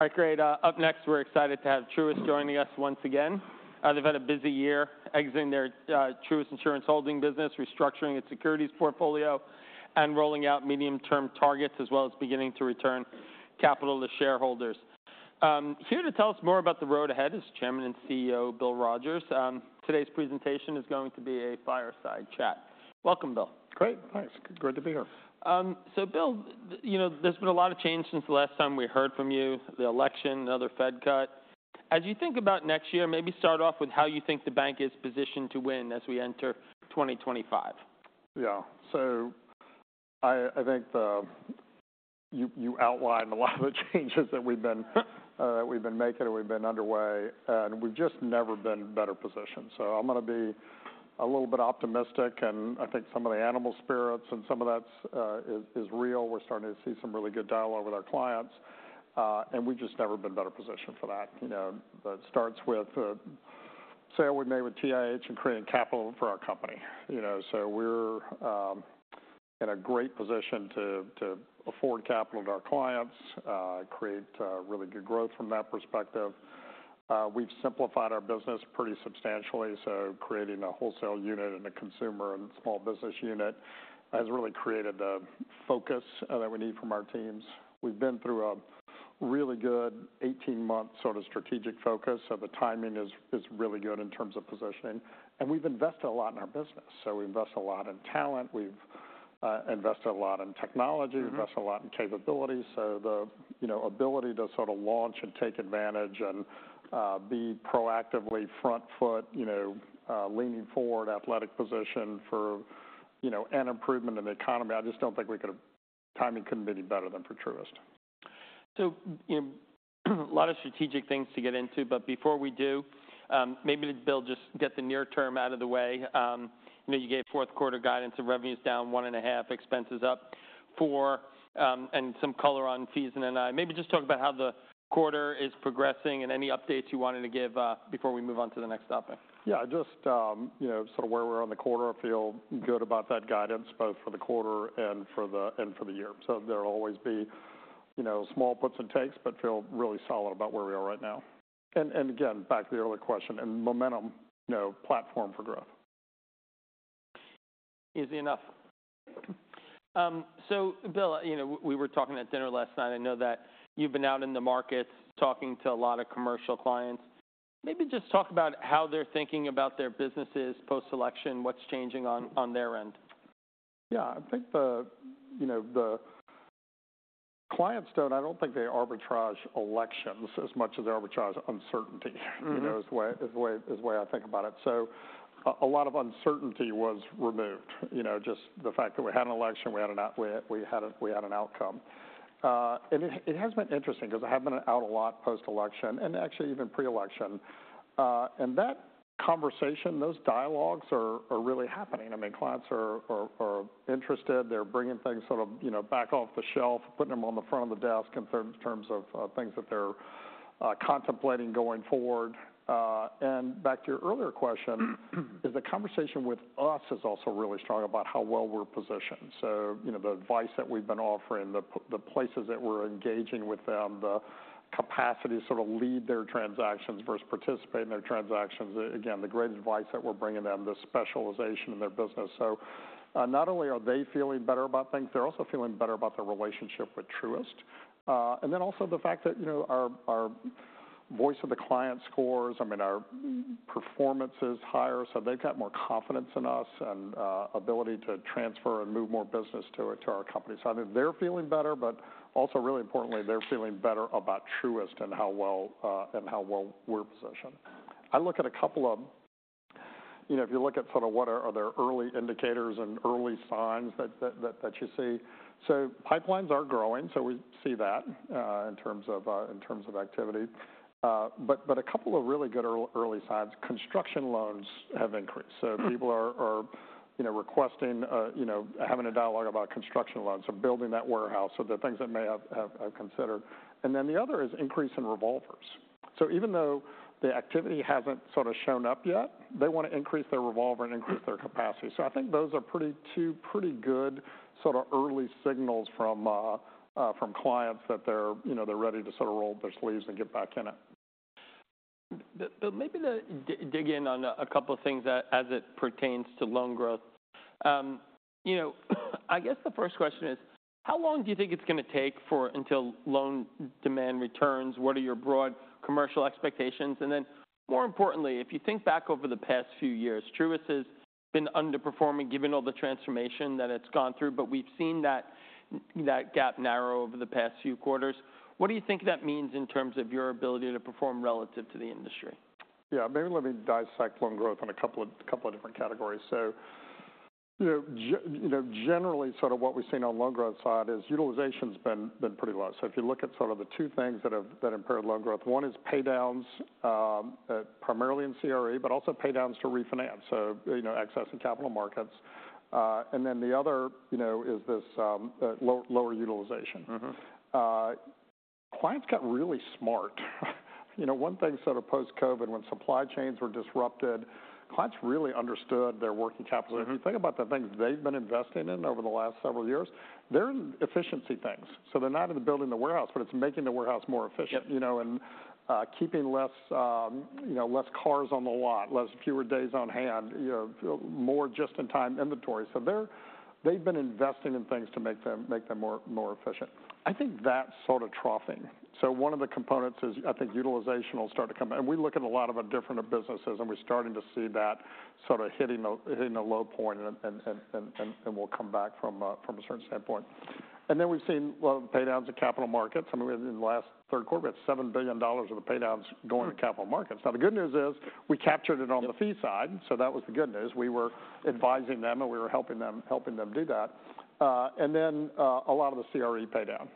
All right, great. Up next, we're excited to have Truist joining us once again. They've had a busy year exiting their Truist Insurance Holdings business, restructuring its securities portfolio, and rolling out medium-term targets, as well as beginning to return capital to shareholders. Here to tell us more about the road ahead is Chairman and CEO Bill Rogers. Today's presentation is going to be a fireside chat. Welcome, Bill. Great, thanks. Great to be here. So, Bill, you know there's been a lot of change since the last time we heard from you, the election, another Fed cut. As you think about next year, maybe start off with how you think the bank is positioned to win as we enter 2025? Yeah, so I think you outlined a lot of the changes that we've been making and we've been underway, and we've just never been better positioned. So I'm going to be a little bit optimistic, and I think some of the animal spirits and some of that is real. We're starting to see some really good dialogue with our clients, and we've just never been better positioned for that. You know, that starts with the sale we made with TIH and creating capital for our company. You know, so we're in a great position to afford capital to our clients, create really good growth from that perspective. We've simplified our business pretty substantially, so creating a wholesale unit and a consumer and small business unit has really created the focus that we need from our teams. We've been through a really good 18-month sort of strategic focus, so the timing is really good in terms of positioning, and we've invested a lot in our business, so we invest a lot in talent. We've invested a lot in technology. We've invested a lot in capability, so the ability to sort of launch and take advantage and be proactively front foot, you know, leaning forward athletic position for, you know, an improvement in the economy. I just don't think we could have. Timing couldn't be any better for Truist. So, you know, a lot of strategic things to get into, but before we do, maybe Bill, just get the near term out of the way. You know, you gave fourth quarter guidance of revenues down one and a half, expenses up four, and some color on fees and NII. Maybe just talk about how the quarter is progressing and any updates you wanted to give before we move on to the next topic? Yeah, just, you know, sort of where we're on the quarter, I feel good about that guidance, both for the quarter and for the year. So there'll always be, you know, small puts and takes, but feel really solid about where we are right now and again, back to the earlier question, and momentum, you know, platform for growth. Easy enough. So, Bill, you know, we were talking at dinner last night. I know that you've been out in the markets talking to a lot of commercial clients. Maybe just talk about how they're thinking about their businesses post-election, what's changing on their end. Yeah, I think, you know, the clients don't. I don't think they arbitrage elections as much as they arbitrage uncertainty, you know, is the way I think about it. So a lot of uncertainty was removed, you know, just the fact that we had an election. We had an outcome. It has been interesting because I have been out a lot post-election and actually even pre-election. That conversation, those dialogues are really happening. I mean, clients are interested. They're bringing things sort of, you know, back off the shelf, putting them on the front of the desk in terms of things that they're contemplating going forward. Back to your earlier question, the conversation with us is also really strong about how well we're positioned. So, you know, the advice that we've been offering, the places that we're engaging with them, the capacity to sort of lead their transactions versus participate in their transactions, again, the great advice that we're bringing them, the specialization in their business. So not only are they feeling better about things, they're also feeling better about their relationship with Truist. And then also the fact that, you know, our Voice of the Client scores, I mean, our performance is higher, so they've got more confidence in us and ability to transfer and move more business to our company. So I think they're feeling better, but also really importantly, they're feeling better about Truist and how well we're positioned. I look at a couple of, you know, if you look at sort of what are their early indicators and early signs that you see. So pipelines are growing, so we see that in terms of activity. But a couple of really good early signs, construction loans have increased. So people are, you know, requesting, you know, having a dialogue about construction loans or building that warehouse, so the things that may have considered. And then the other is increase in revolvers. So even though the activity hasn't sort of shown up yet, they want to increase their revolver and increase their capacity. So I think those are two pretty good sort of early signals from clients that they're, you know, they're ready to sort of roll up their sleeves and get back in it. Bill, maybe to dig in on a couple of things as it pertains to loan growth. You know, I guess the first question is, how long do you think it's going to take until loan demand returns? What are your broad commercial expectations? And then more importantly, if you think back over the past few years, Truist has been underperforming given all the transformation that it's gone through, but we've seen that gap narrow over the past few quarters. What do you think that means in terms of your ability to perform relative to the industry? Yeah, maybe let me dissect loan growth in a couple of different categories. So, you know, generally sort of what we've seen on loan growth side is utilization has been pretty low. So if you look at sort of the two things that have impaired loan growth, one is paydowns, primarily in CRE, but also paydowns to refinance, so, you know, access to capital markets. And then the other, you know, is this lower utilization. Clients got really smart. You know, one thing sort of post-COVID when supply chains were disrupted, clients really understood their working capital. If you think about the things they've been investing in over the last several years, they're in efficiency things. So they're not in the building the warehouse, but it's making the warehouse more efficient, you know, and keeping less, you know, less cars on the lot, less fewer days on hand, you know, more just-in-time inventory. So they've been investing in things to make them more efficient. I think that sort of troughing. So one of the components is I think utilization will start to come in. And we look at a lot of different businesses and we're starting to see that sort of hitting the low point and we'll come back from a certain standpoint. And then we've seen paydowns to capital markets. I mean, in the last third quarter, we had $7 billion of the paydowns going to capital markets. Now, the good news is we captured it on the fee side, so that was the good news. We were advising them and we were helping them do that, and then a lot of the CRE paydown,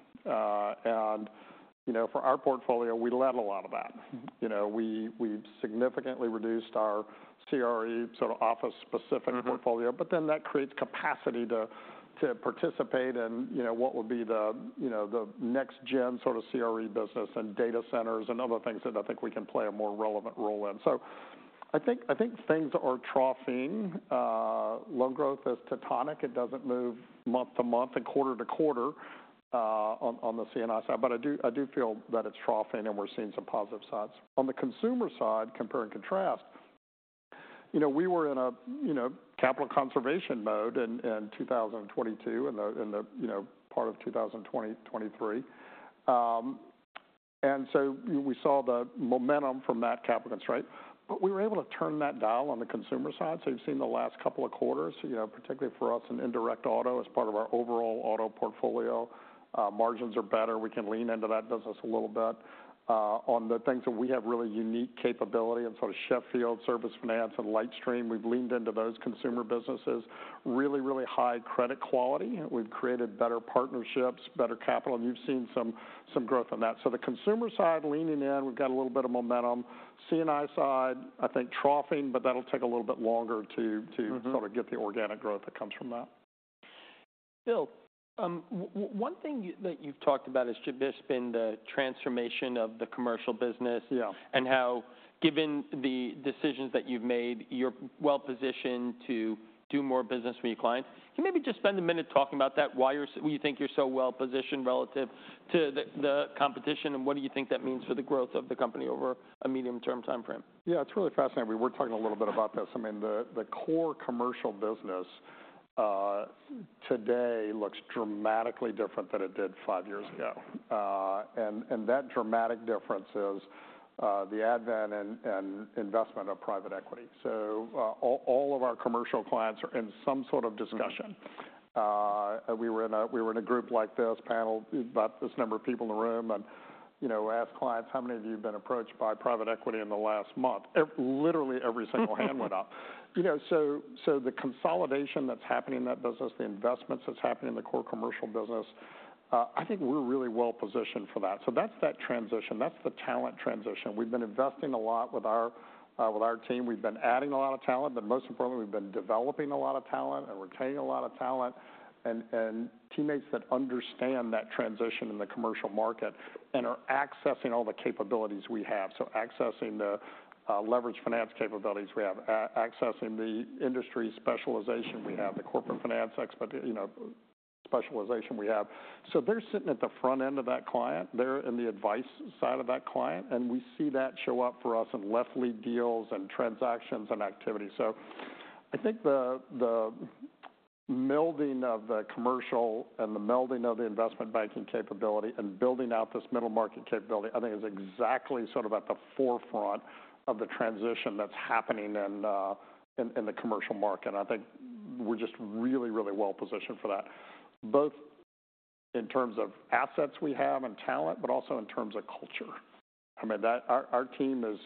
and, you know, for our portfolio, we led a lot of that. You know, we've significantly reduced our CRE sort of office-specific portfolio, but then that creates capacity to participate in, you know, what would be the, you know, the next-gen sort of CRE business and data centers and other things that I think we can play a more relevant role in, so I think things are troughing. Loan growth is tectonic. It doesn't move month to month and quarter to quarter on the C&I side, but I do feel that it's troughing and we're seeing some positive sides. On the consumer side, compare and contrast, you know, we were in a, you know, capital conservation mode in 2022 and the, you know, part of 2023. And so we saw the momentum from that capital constraint, but we were able to turn that dial on the consumer side. So you've seen the last couple of quarters, you know, particularly for us in indirect auto as part of our overall auto portfolio, margins are better. We can lean into that business a little bit on the things that we have really unique capability and sort of Sheffield, Service Finance and LightStream. We've leaned into those consumer businesses, really, really high credit quality. We've created better partnerships, better capital, and you've seen some growth in that. So the consumer side leaning in, we've got a little bit of momentum. C&I side, I think troughing, but that'll take a little bit longer to sort of get the organic growth that comes from that. Bill, one thing that you've talked about has just been the transformation of the commercial business and how, given the decisions that you've made, you're well positioned to do more business with your clients. Can you maybe just spend a minute talking about that? Why do you think you're so well positioned relative to the competition and what do you think that means for the growth of the company over a medium-term timeframe? Yeah, it's really fascinating. We were talking a little bit about this. I mean, the core commercial business today looks dramatically different than it did five years ago. And that dramatic difference is the advent and investment of private equity. So all of our commercial clients are in some sort of discussion. We were in a group like this, paneled with about this number of people in the room and, you know, asked clients, how many of you have been approached by private equity in the last month? Literally every single hand went up. You know, so the consolidation that's happening in that business, the investments that's happening in the core commercial business, I think we're really well positioned for that. So that's that transition. That's the talent transition. We've been investing a lot with our team. We've been adding a lot of talent, but most importantly, we've been developing a lot of talent and retaining a lot of talent and teammates that understand that transition in the commercial market and are accessing all the capabilities we have. So accessing the leveraged finance capabilities we have, accessing the industry specialization we have, the corporate finance specialization we have. So they're sitting at the front end of that client. They're in the advice side of that client, and we see that show up for us in left-lead deals and transactions and activity. So I think the melding of the commercial and the melding of the investment banking capability and building out this middle market capability, I think is exactly sort of at the forefront of the transition that's happening in the commercial market. I think we're just really, really well positioned for that, both in terms of assets we have and talent, but also in terms of culture. I mean, our team is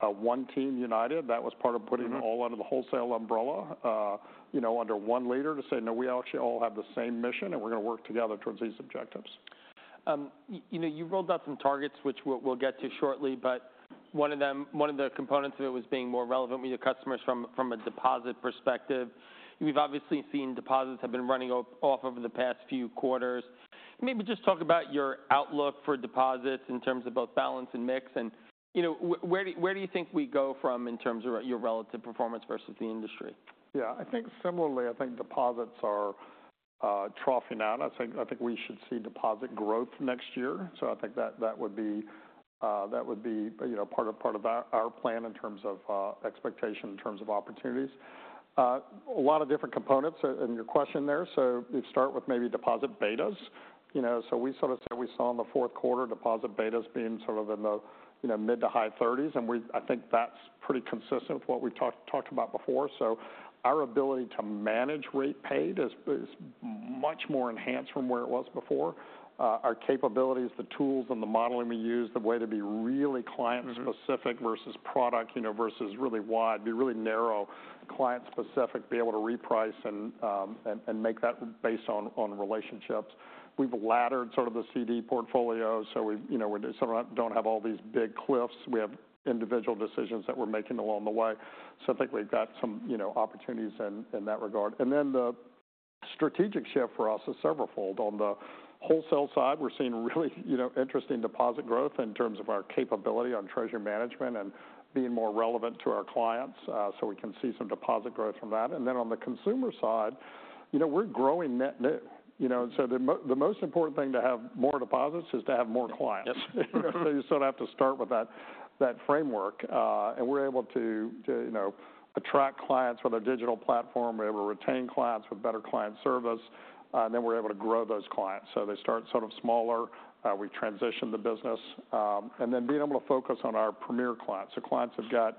one team united. That was part of putting it all under the wholesale umbrella, you know, under one leader to say, no, we actually all have the same mission and we're going to work together towards these objectives. You know, you rolled out some targets, which we'll get to shortly, but one of the components of it was being more relevant with your customers from a deposit perspective. We've obviously seen deposits have been running off over the past few quarters. Maybe just talk about your outlook for deposits in terms of both balance and mix. And, you know, where do you think we go from here in terms of your relative performance versus the industry? Yeah, I think similarly. I think deposits are troughing out. I think we should see deposit growth next year. So I think that would be part of our plan in terms of expectation, in terms of opportunities. A lot of different components in your question there. So you start with maybe deposit betas. You know, so we sort of said we saw in the fourth quarter deposit betas being sort of in the, you know, mid to high 30s. And I think that's pretty consistent with what we've talked about before. So our ability to manage rate paid is much more enhanced from where it was before. Our capabilities, the tools and the modeling we use, the way to be really client-specific versus product, you know, versus really wide, be really narrow, client-specific, be able to reprice and make that based on relationships. We've laddered sort of the CD portfolio. So we, you know, we don't have all these big cliffs. We have individual decisions that we're making along the way. So I think we've got some, you know, opportunities in that regard. And then the strategic shift for us is several-fold. On the wholesale side, we're seeing really, you know, interesting deposit growth in terms of our capability on treasury management and being more relevant to our clients. So we can see some deposit growth from that. And then on the consumer side, you know, we're growing net new. You know, so the most important thing to have more deposits is to have more clients. You know, so you sort of have to start with that framework. And we're able to, you know, attract clients with our digital platform. We're able to retain clients with better client service. And then we're able to grow those clients. So they start sort of smaller. We've transitioned the business. And then being able to focus on our Premier clients. So clients have got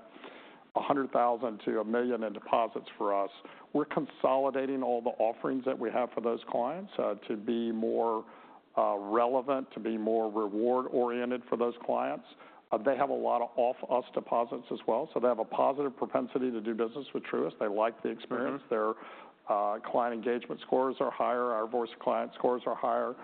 $100,000-$1 million in deposits for us. We're consolidating all the offerings that we have for those clients to be more relevant, to be more reward-oriented for those clients. They have a lot of off-us deposits as well. So they have a positive propensity to do business with Truist. They like the experience. Their client engagement scores are higher. Our Voice Client scores are higher.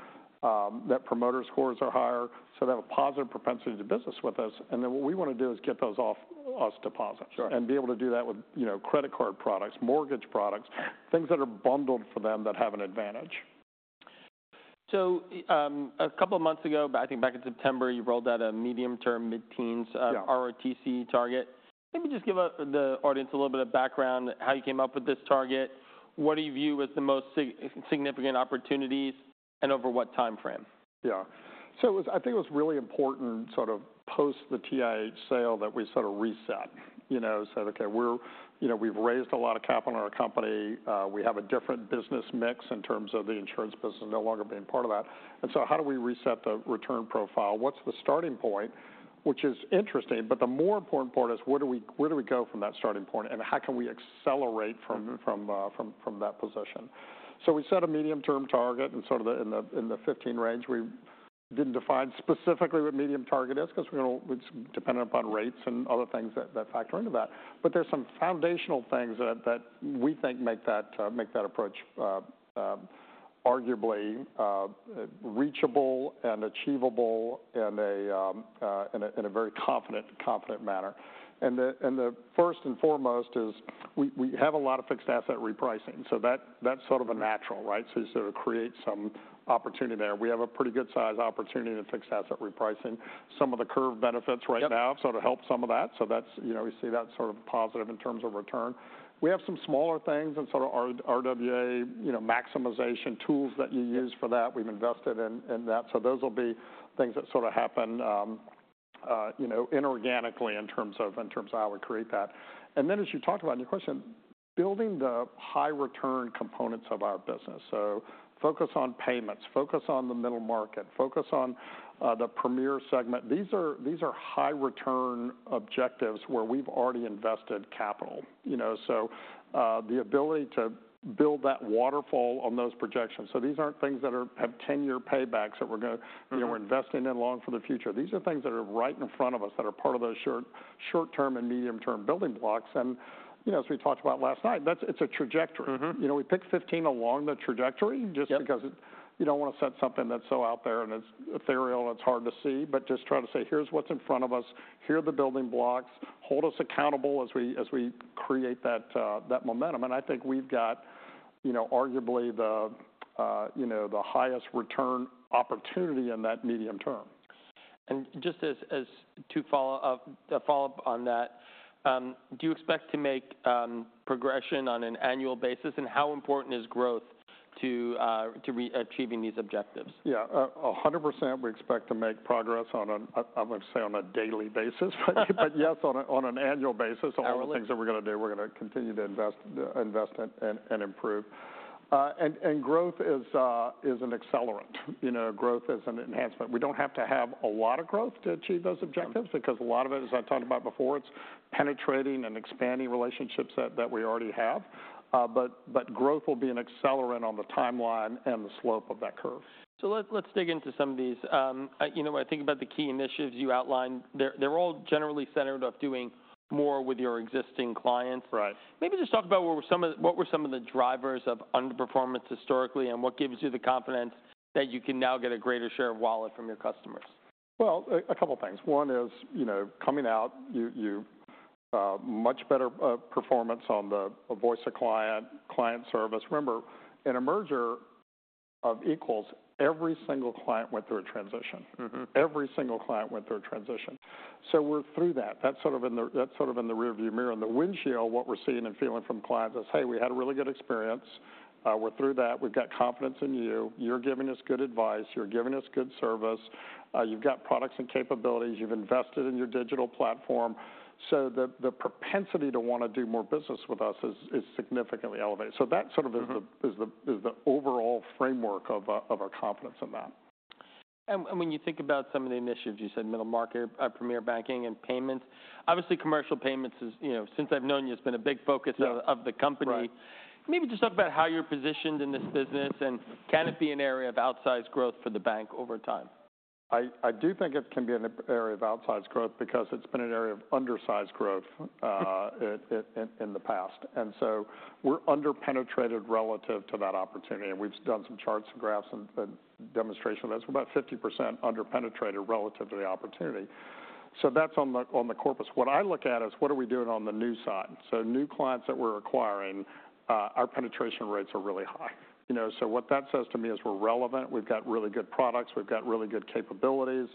Their promoter scores are higher. So they have a positive propensity to do business with us. And then what we want to do is get those off-us deposits and be able to do that with, you know, credit card products, mortgage products, things that are bundled for them that have an advantage. A couple of months ago, I think back in September, you rolled out a medium-term, mid-teens ROTCE target. Maybe just give the audience a little bit of background, how you came up with this target, what do you view as the most significant opportunities, and over what timeframe? Yeah. So I think it was really important sort of post the TIH sale that we sort of reset, you know, said, okay, we're, you know, we've raised a lot of capital in our company. We have a different business mix in terms of the insurance business no longer being part of that. And so how do we reset the return profile? What's the starting point, which is interesting, but the more important part is where do we go from that starting point and how can we accelerate from that position? We set a medium-term target and sort of in the 15 range. We didn't define specifically what medium target is because we're going to depend upon rates and other things that factor into that. There's some foundational things that we think make that approach arguably reachable and achievable in a very confident manner. And the first and foremost is we have a lot of fixed asset repricing. So that's sort of a natural, right? So you sort of create some opportunity there. We have a pretty good size opportunity in fixed asset repricing. Some of the curve benefits right now sort of help some of that. So that's, you know, we see that sort of positive in terms of return. We have some smaller things and sort of RWA, you know, maximization tools that you use for that. We've invested in that. So those will be things that sort of happen, you know, inorganically in terms of how we create that. And then as you talked about in your question, building the high-return components of our business. So focus on payments, focus on the middle market, focus on the Premier segment. These are high-return objectives where we've already invested capital, you know. So, the ability to build that waterfall on those projections. So, these aren't things that have 10-year paybacks that we're going to, you know, we're investing in long for the future. These are things that are right in front of us that are part of those short-term and medium-term building blocks. And, you know, as we talked about last night, it's a trajectory. You know, we pick 15 along the trajectory just because you don't want to set something that's so out there and it's ethereal and it's hard to see, but just try to say, here's what's in front of us. Here are the building blocks. Hold us accountable as we create that momentum. And I think we've got, you know, arguably the, you know, the highest return opportunity in that medium term. Just as to follow up on that, do you expect to make progression on an annual basis, and how important is growth to achieving these objectives? Yeah, 100% we expect to make progress on. I'm going to say on a daily basis, but yes, on an annual basis, all the things that we're going to do. We're going to continue to invest in and improve, and growth is an accelerant. You know, growth is an enhancement. We don't have to have a lot of growth to achieve those objectives because a lot of it, as I talked about before, it's penetrating and expanding relationships that we already have, but growth will be an accelerant on the timeline and the slope of that curve. So let's dig into some of these. You know, when I think about the key initiatives you outlined, they're all generally centered off doing more with your existing clients. Maybe just talk about what were some of the drivers of underperformance historically and what gives you the confidence that you can now get a greater share of wallet from your customers? Well, a couple of things. One is, you know, coming out, you have much better performance on the Voice of the Client, client service. Remember, in a merger of equals, every single client went through a transition. Every single client went through a transition. So we're through that. That's sort of in the rearview mirror. In the windshield, what we're seeing and feeling from clients is, hey, we had a really good experience. We're through that. We've got confidence in you. You're giving us good advice. You're giving us good service. You've got products and capabilities. You've invested in your digital platform. So the propensity to want to do more business with us is significantly elevated. So that sort of is the overall framework of our confidence in that. And when you think about some of the initiatives, you said middle market, Premier Banking and payments. Obviously, commercial payments is, you know, since I've known you, it's been a big focus of the company. Maybe just talk about how you're positioned in this business and can it be an area of outsized growth for the bank over time? I do think it can be an area of outsized growth because it's been an area of undersized growth in the past. And so we're underpenetrated relative to that opportunity. And we've done some charts and graphs and demonstration of this. We're about 50% underpenetrated relative to the opportunity. So that's on the corpus. What I look at is what are we doing on the new side? So new clients that we're acquiring, our penetration rates are really high. You know, so what that says to me is we're relevant. We've got really good products. We've got really good capabilities.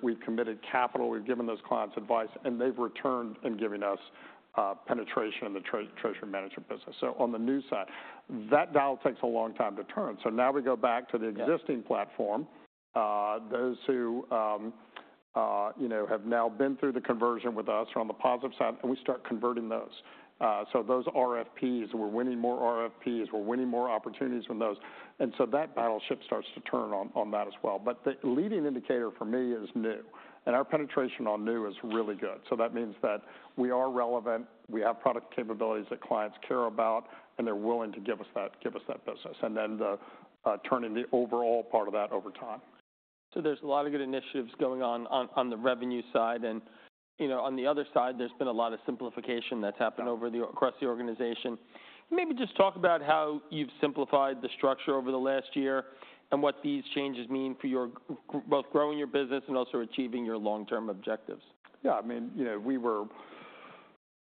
We've committed capital. We've given those clients advice and they've returned in giving us penetration in the treasury management business. So on the new side, that dial takes a long time to turn. So now we go back to the existing platform. Those who, you know, have now been through the conversion with us are on the positive side and we start converting those, so those RFPs, we're winning more RFPs, we're winning more opportunities with those, and so that battleship starts to turn on that as well, but the leading indicator for me is new and our penetration on new is really good, so that means that we are relevant, we have product capabilities that clients care about and they're willing to give us that business, and then turning the overall part of that over time. So there's a lot of good initiatives going on the revenue side. And, you know, on the other side, there's been a lot of simplification that's happened across the organization. Maybe just talk about how you've simplified the structure over the last year and what these changes mean for both growing your business and also achieving your long-term objectives. Yeah, I mean, you know, we were,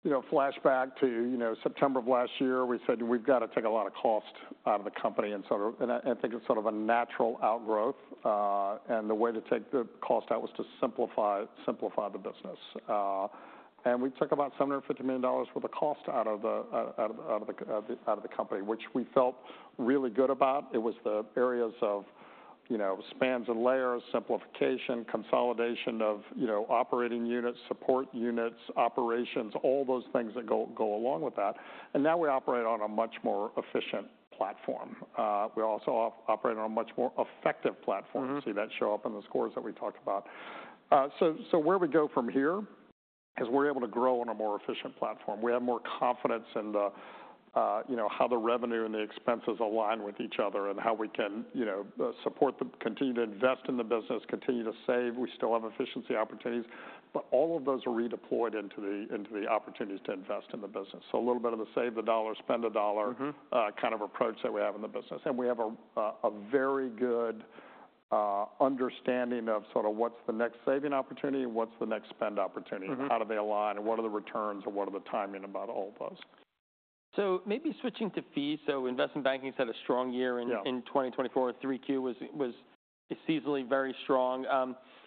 you know, flashback to, you know, September of last year, we said we've got to take a lot of cost out of the company. And I think it's sort of a natural outgrowth. And the way to take the cost out was to simplify the business. And we took about $750 million worth of cost out of the company, which we felt really good about. It was the areas of, you know, spans and layers, simplification, consolidation of, you know, operating units, support units, operations, all those things that go along with that. And now we operate on a much more efficient platform. We also operate on a much more effective platform. You see that show up in the scores that we talked about. So where we go from here is we're able to grow on a more efficient platform. We have more confidence in, you know, how the revenue and the expenses align with each other and how we can, you know, support the, continue to invest in the business, continue to save. We still have efficiency opportunities, but all of those are redeployed into the opportunities to invest in the business, so a little bit of the save the dollar, spend the dollar kind of approach that we have in the business, and we have a very good understanding of sort of what's the next saving opportunity and what's the next spend opportunity. How do they align and what are the returns and what are the timing about all those? So maybe switching to fees. So investment banking has had a strong year in 2024. 3Q was seasonally very strong.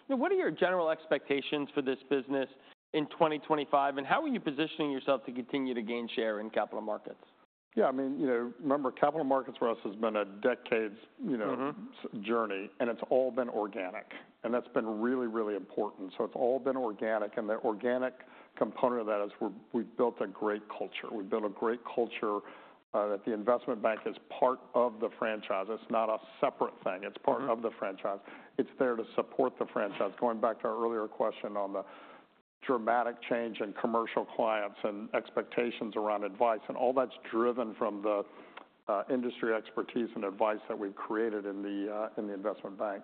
What are your general expectations for this business in 2025? And how are you positioning yourself to continue to gain share in capital markets? Yeah, I mean, you know, remember capital markets for us has been a decade's, you know, journey and it's all been organic. And that's been really, really important. So it's all been organic. And the organic component of that is we've built a great culture. We've built a great culture that the investment bank is part of the franchise. It's not a separate thing. It's part of the franchise. It's there to support the franchise. Going back to our earlier question on the dramatic change in commercial clients and expectations around advice and all that's driven from the industry expertise and advice that we've created in the investment bank.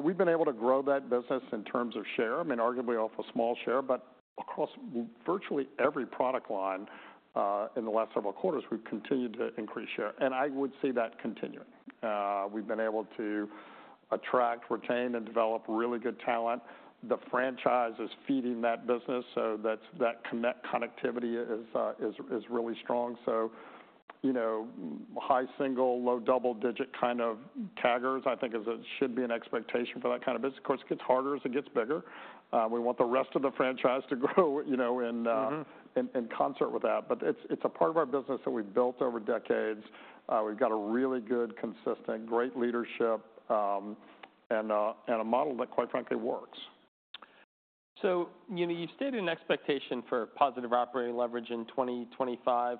We've been able to grow that business in terms of share. I mean, arguably off a small share, but across virtually every product line in the last several quarters, we've continued to increase share. And I would see that continuing. We've been able to attract, retain, and develop really good talent. The franchise is feeding that business. So that connectivity is really strong. So, you know, high single-digit, low double-digit kind of CAGRs, I think it should be an expectation for that kind of business. Of course, it gets harder as it gets bigger. We want the rest of the franchise to grow, you know, in concert with that. But it's a part of our business that we've built over decades. We've got a really good, consistent, great leadership and a model that, quite frankly, works. So, you know, you've stated an expectation for positive operating leverage in 2025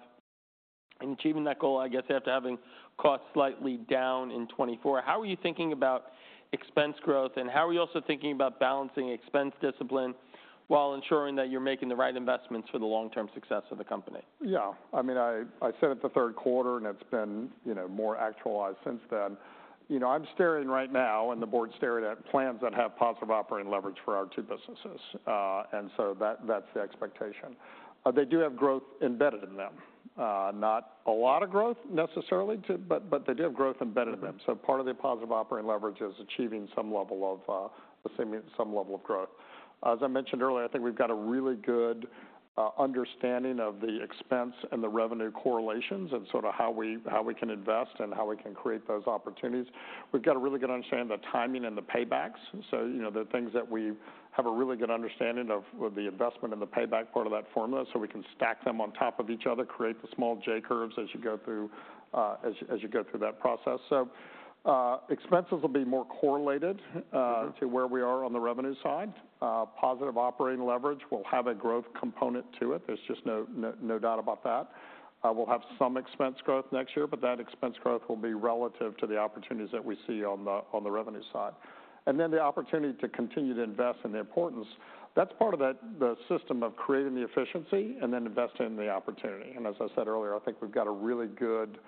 and achieving that goal, I guess, after having costs slightly down in 2024. How are you thinking about expense growth and how are you also thinking about balancing expense discipline while ensuring that you're making the right investments for the long-term success of the company? Yeah, I mean, I said at the third quarter and it's been, you know, more actualized since then. You know, I'm staring right now and the board stared at plans that have positive operating leverage for our two businesses. And so that's the expectation. They do have growth embedded in them. Not a lot of growth necessarily, but they do have growth embedded in them. So part of the positive operating leverage is achieving some level of growth. As I mentioned earlier, I think we've got a really good understanding of the expense and the revenue correlations and sort of how we can invest and how we can create those opportunities. We've got a really good understanding of the timing and the paybacks. So, you know, the things that we have a really good understanding of the investment and the payback part of that formula so we can stack them on top of each other, create the small J curves as you go through that process. So expenses will be more correlated to where we are on the revenue side. Positive operating leverage. We'll have a growth component to it. There's just no doubt about that. We'll have some expense growth next year, but that expense growth will be relative to the opportunities that we see on the revenue side. And then the opportunity to continue to invest and the importance. That's part of the system of creating the efficiency and then investing in the opportunity. As I said earlier, I think we've got a really good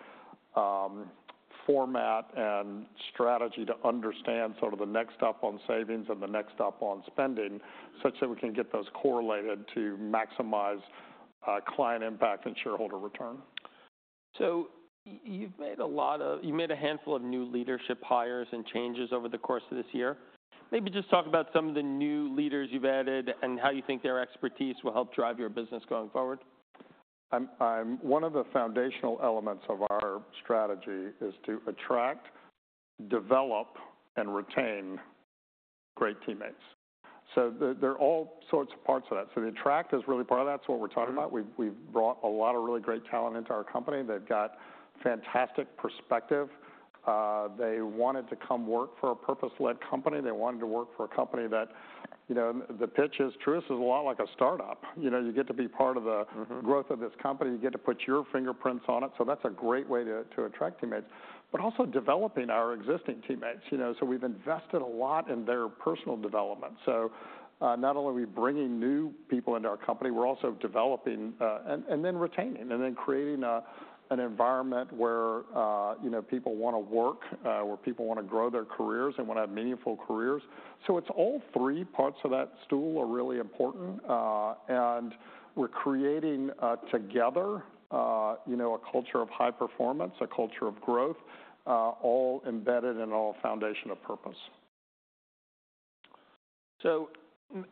format and strategy to understand sort of the next step on savings and the next step on spending such that we can get those correlated to maximize client impact and shareholder return. So you've made a handful of new leadership hires and changes over the course of this year. Maybe just talk about some of the new leaders you've added and how you think their expertise will help drive your business going forward? One of the foundational elements of our strategy is to attract, develop, and retain great teammates. So there are all sorts of parts of that. So the attract is really part of that. That's what we're talking about. We've brought a lot of really great talent into our company. They've got fantastic perspective. They wanted to come work for a purpose-led company. They wanted to work for a company that, you know, the pitch is, Truist is a lot like a startup. You know, you get to be part of the growth of this company. You get to put your fingerprints on it. So that's a great way to attract teammates, but also developing our existing teammates. You know, so we've invested a lot in their personal development. So not only are we bringing new people into our company, we're also developing and then retaining and then creating an environment where, you know, people want to work, where people want to grow their careers and want to have meaningful careers. So it's all three parts of that stool are really important. And we're creating together, you know, a culture of high performance, a culture of growth, all embedded in our foundation of purpose. So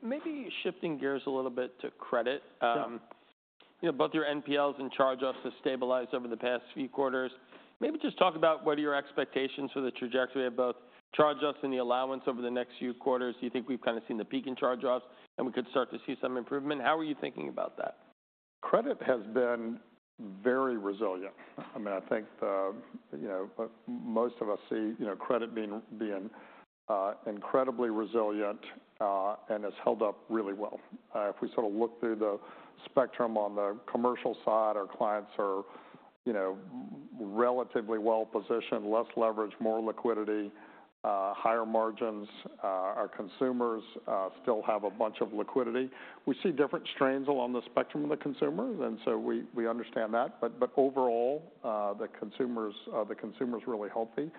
maybe shifting gears a little bit to credit. You know, both your NPLs and charge-offs have stabilized over the past few quarters. Maybe just talk about what are your expectations for the trajectory of both charge-offs and the allowance over the next few quarters. Do you think we've kind of seen the peak in charge-offs and we could start to see some improvement? How are you thinking about that? Credit has been very resilient. I mean, I think, you know, most of us see, you know, credit being incredibly resilient and has held up really well. If we sort of look through the spectrum on the commercial side, our clients are, you know, relatively well positioned, less leverage, more liquidity, higher margins. Our consumers still have a bunch of liquidity. We see different strains along the spectrum of the consumer, and so we understand that, but overall, the consumer's really healthy,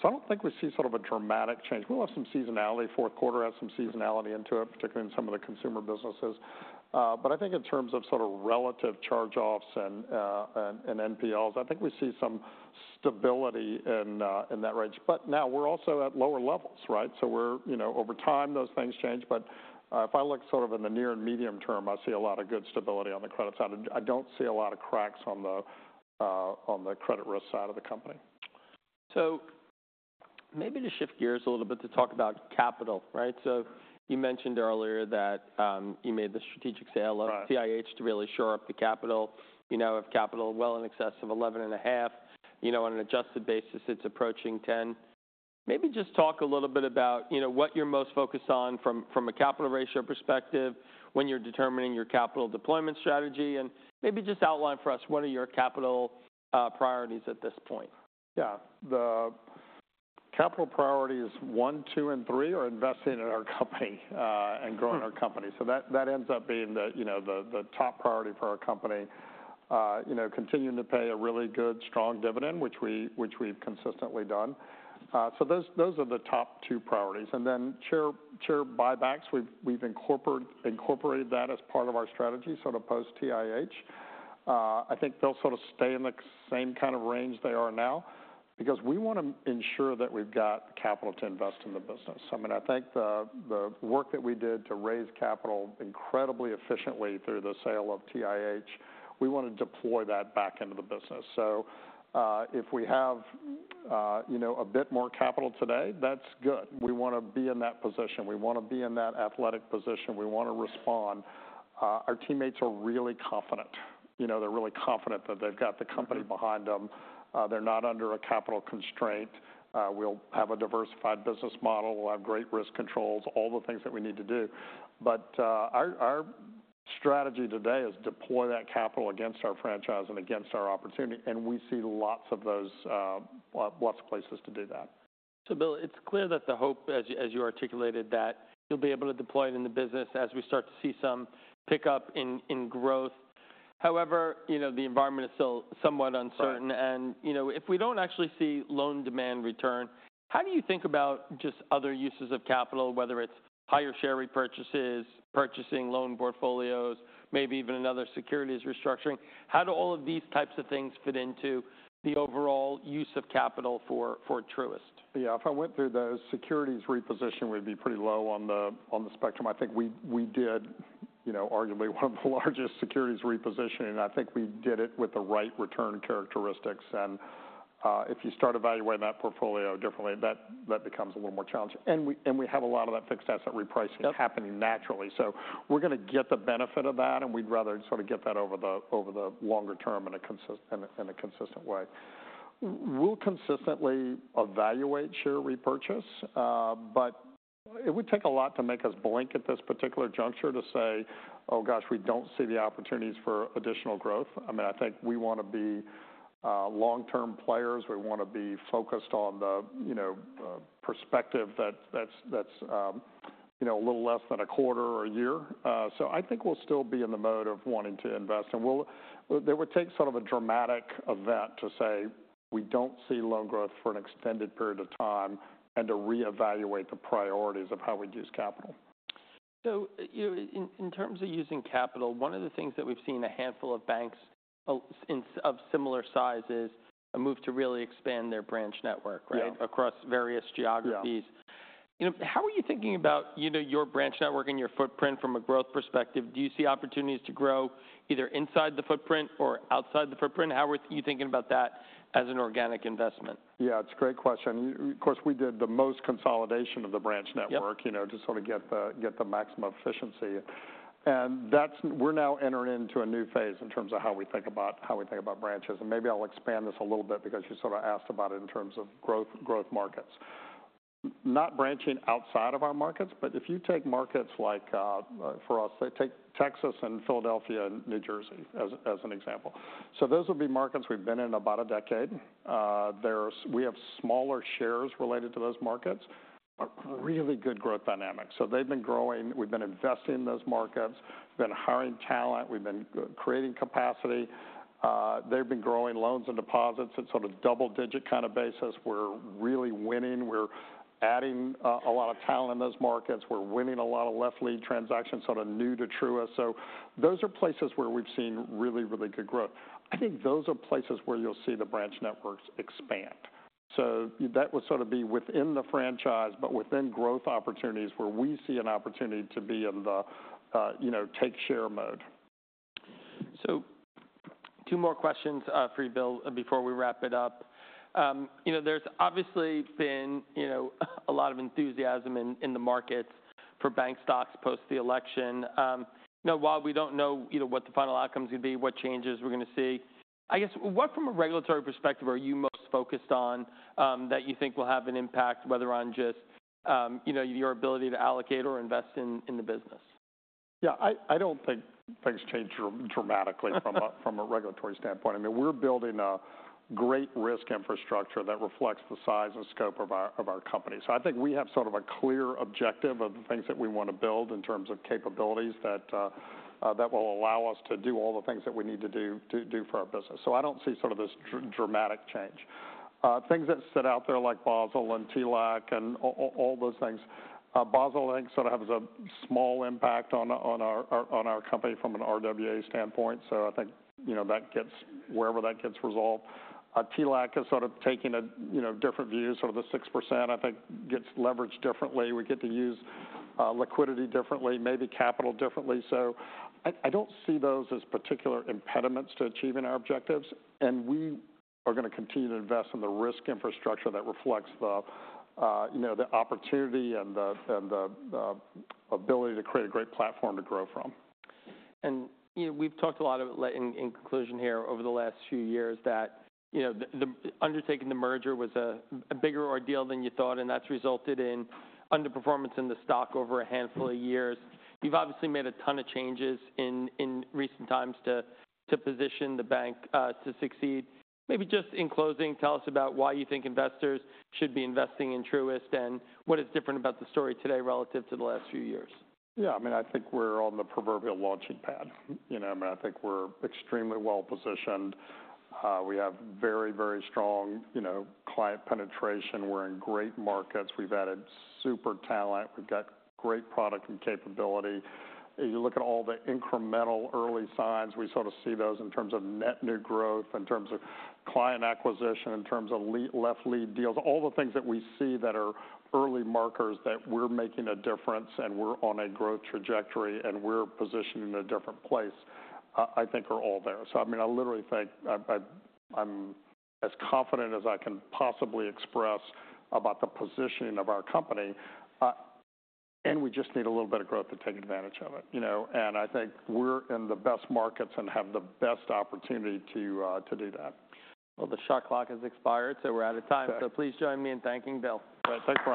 so I don't think we see sort of a dramatic change. We'll have some seasonality. Fourth quarter had some seasonality into it, particularly in some of the consumer businesses, but I think in terms of sort of relative charge-offs and NPLs, I think we see some stability in that range, but now we're also at lower levels, right, so we're, you know, over time those things change. But if I look sort of in the near and medium term, I see a lot of good stability on the credit side. I don't see a lot of cracks on the credit risk side of the company. So maybe to shift gears a little bit to talk about capital, right? So you mentioned earlier that you made the strategic sale of TIH to really shore up the capital. You now have capital well in excess of 11.5. You know, on an adjusted basis, it's approaching 10. Maybe just talk a little bit about, you know, what you're most focused on from a capital ratio perspective when you're determining your capital deployment strategy. And maybe just outline for us, what are your capital priorities at this point? Yeah, the capital priorities one, two, and three are investing in our company and growing our company. So that ends up being the, you know, the top priority for our company. You know, continuing to pay a really good, strong dividend, which we've consistently done. So those are the top two priorities. And then share buybacks, we've incorporated that as part of our strategy sort of post-TIH. I think they'll sort of stay in the same kind of range they are now because we want to ensure that we've got capital to invest in the business. I mean, I think the work that we did to raise capital incredibly efficiently through the sale of TIH, we want to deploy that back into the business. So if we have, you know, a bit more capital today, that's good. We want to be in that position. We want to be in that athletic position. We want to respond. Our teammates are really confident. You know, they're really confident that they've got the company behind them. They're not under a capital constraint. We'll have a diversified business model. We'll have great risk controls, all the things that we need to do. But our strategy today is deploy that capital against our franchise and against our opportunity, and we see lots of those, lots of places to do that. So Bill, it's clear that the hope, as you articulated, that you'll be able to deploy it in the business as we start to see some pickup in growth. However, you know, the environment is still somewhat uncertain. And, you know, if we don't actually see loan demand return, how do you think about just other uses of capital, whether it's higher share repurchases, purchasing loan portfolios, maybe even another securities restructuring? How do all of these types of things fit into the overall use of capital for Truist? Yeah, if I went through those, securities reposition would be pretty low on the spectrum. I think we did, you know, arguably one of the largest securities repositioning. And I think we did it with the right return characteristics. And if you start evaluating that portfolio differently, that becomes a little more challenging. And we have a lot of that fixed asset repricing happening naturally. So we're going to get the benefit of that. And we'd rather sort of get that over the longer term in a consistent way. We'll consistently evaluate share repurchase. But it would take a lot to make us blink at this particular juncture to say, "Oh gosh, we don't see the opportunities for additional growth." I mean, I think we want to be long-term players. We want to be focused on the, you know, perspective that's, you know, a little less than a quarter or a year. So I think we'll still be in the mode of wanting to invest. And there would take sort of a dramatic event to say, "We don't see loan growth for an extended period of time," and to reevaluate the priorities of how we'd use capital. So, you know, in terms of using capital, one of the things that we've seen a handful of banks of similar sizes move to really expand their branch network, right, across various geographies. You know, how are you thinking about, you know, your branch network and your footprint from a growth perspective? Do you see opportunities to grow either inside the footprint or outside the footprint? How are you thinking about that as an organic investment? Yeah, it's a great question. Of course, we did the most consolidation of the branch network, you know, to sort of get the maximum efficiency. And we're now entering into a new phase in terms of how we think about branches. And maybe I'll expand this a little bit because you sort of asked about it in terms of growth markets. Not branching outside of our markets, but if you take markets like for us, take Texas and Philadelphia and New Jersey as an example. So those will be markets we've been in about a decade. We have smaller shares related to those markets, but really good growth dynamics. So they've been growing. We've been investing in those markets. We've been hiring talent. We've been creating capacity. They've been growing loans and deposits at sort of double-digit kind of basis. We're really winning. We're adding a lot of talent in those markets. We're winning a lot of left-lead transactions, sort of new to Truist. So those are places where we've seen really, really good growth. I think those are places where you'll see the branch networks expand. So that would sort of be within the franchise, but within growth opportunities where we see an opportunity to be in the, you know, take share mode. So two more questions for you, Bill, before we wrap it up. You know, there's obviously been, you know, a lot of enthusiasm in the markets for bank stocks post the election. You know, while we don't know, you know, what the final outcomes are going to be, what changes we're going to see, I guess, what from a regulatory perspective are you most focused on that you think will have an impact, whether on just, you know, your ability to allocate or invest in the business? Yeah, I don't think things change dramatically from a regulatory standpoint. I mean, we're building a great risk infrastructure that reflects the size and scope of our company. So I think we have sort of a clear objective of the things that we want to build in terms of capabilities that will allow us to do all the things that we need to do for our business. So I don't see sort of this dramatic change. Things that sit out there like Basel and TLAC and all those things, Basel I think sort of has a small impact on our company from an RWA standpoint. So I think, you know, that gets wherever that gets resolved. TLAC is sort of taking a, you know, different view, sort of the 6%, I think gets leveraged differently. We get to use liquidity differently, maybe capital differently. So I don't see those as particular impediments to achieving our objectives. And we are going to continue to invest in the risk infrastructure that reflects the, you know, the opportunity and the ability to create a great platform to grow from. And, you know, we've talked a lot of it in conclusion here over the last few years that, you know, undertaking the merger was a bigger ordeal than you thought. And that's resulted in underperformance in the stock over a handful of years. You've obviously made a ton of changes in recent times to position the bank to succeed. Maybe just in closing, tell us about why you think investors should be investing in Truist and what is different about the story today relative to the last few years? Yeah, I mean, I think we're on the proverbial launching pad. You know, I mean, I think we're extremely well positioned. We have very, very strong, you know, client penetration. We're in great markets. We've added super talent. We've got great product and capability. You look at all the incremental early signs, we sort of see those in terms of net new growth, in terms of client acquisition, in terms of left-lead deals, all the things that we see that are early markers that we're making a difference and we're on a growth trajectory and we're positioned in a different place, I think are all there, so I mean, I literally think I'm as confident as I can possibly express about the positioning of our company, and we just need a little bit of growth to take advantage of it, you know. I think we're in the best markets and have the best opportunity to do that. Well, the shot clock has expired, so we're out of time. So please join me in thanking Bill. Thank you.